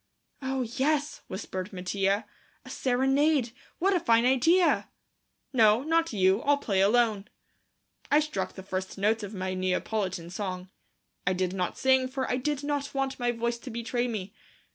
"Oh, yes," whispered Mattia, "a serenade. What a fine idea!" "No, not you; I'll play alone." I struck the first notes of my Neapolitan song. I did not sing, for I did not want my voice to betray me.